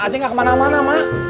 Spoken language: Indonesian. aceh gak kemana mana mak